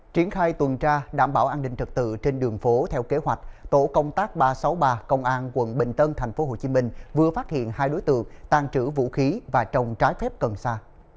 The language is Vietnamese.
triển khai tuần tra đảm bảo an ninh trật tự trên đường phố theo kế hoạch tổ công tác ba trăm sáu mươi ba công an quận bình tân tp hcm vừa phát hiện hai đối tượng tàn trữ vũ khí và trồng trái phép cần sa